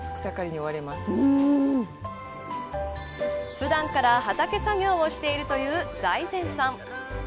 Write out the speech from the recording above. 普段から畑作業をしているという財前さん